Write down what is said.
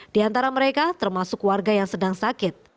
di antara mereka termasuk warga yang sedang sakit